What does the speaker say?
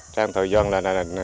trong thời gian là